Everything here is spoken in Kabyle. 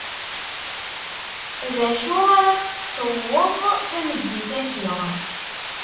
Dacu ara tesweḍ tameddit-aki?